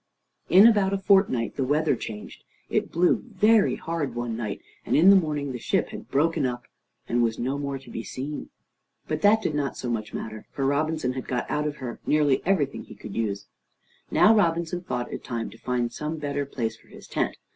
In about a fortnight the weather changed; it blew very hard one night, and in the morning the ship had broken up, and was no more to be seen. But that did not so much matter, for Robinson had got out of her nearly everything that he could use. Now Robinson thought it time to find some better place for his tent.